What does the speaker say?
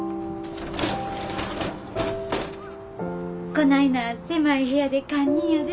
こないな狭い部屋で堪忍やで。